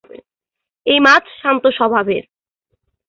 এ মাছ শান্ত স্বভাবের।